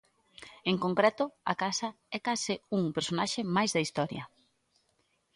En concreto, a casa é case un personaxe máis da historia.